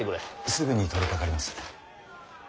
すぐに取りかかります。